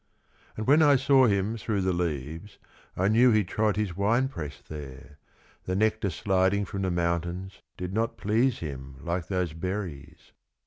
And when I saw him through the leaves, I knew he trod his winepress there, The nectar sliding from the mountains Did not please him like those berries.